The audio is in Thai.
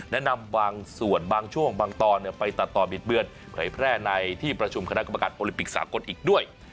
นำบางส่วนบางช่วงบางตอนไปตัดต่อบิดเบือนเผยแพร่ในที่ประชุมคณะกรรมการโอลิปิกสากลอีกด้วย